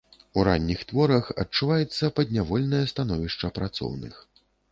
У ранніх творах адчуваецца паднявольнае становішча працоўных.